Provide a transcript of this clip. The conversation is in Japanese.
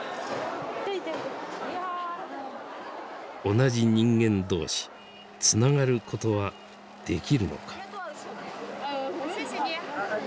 「同じ人間同士つながることはできるのか」。